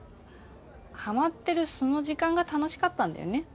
ハマってるその時間が楽しかったんだよね。